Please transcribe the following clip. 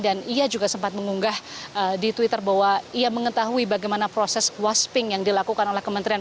dan ia juga sempat mengunggah di twitter bahwa ia mengetahui bagaimana proses wasping yang dilakukan oleh kementerian